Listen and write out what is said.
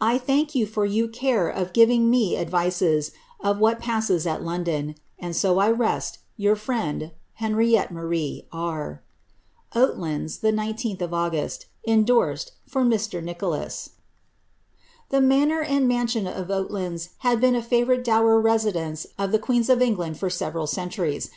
I thank yon for yoa care of geving me advises of what passes at London ; and soc I reste, ' Tour frand, " HsiraiBTTB MAmii R. « Otelands, the 10th Angust." Indorsed^" For mistre NichoUu.'*] The manor and mansion of Oallands had been a faroorite dower ra sidence of the queens of England for several centuries.